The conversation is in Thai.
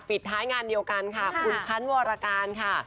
ปิดไทยงานเดียวกันคุณพันวรการค่ะ